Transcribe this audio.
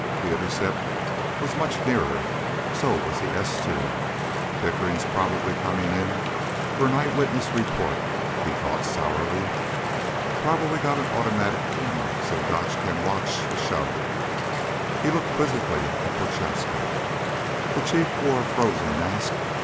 The intercept was much nearer. So was the S two. Pickering's probably coming in for an eye witness report, he thought sourly. Probably got an automatic camera so Gotch can watch the show. He looked quizzically at Prochaska. The Chief wore a frozen mask.